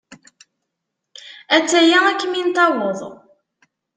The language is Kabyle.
A-tt-aya ad kem-in-taweḍ.